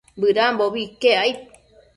Bëdambobi iquec aid